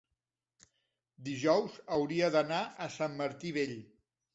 dijous hauria d'anar a Sant Martí Vell.